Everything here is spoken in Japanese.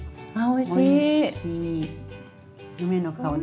おいしい。